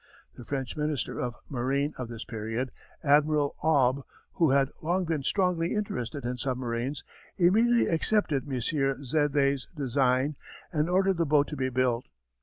The French Minister of Marine of this period, Admiral Aube who had long been strongly interested in submarines, immediately accepted M. Zédé's design and ordered the boat to be built.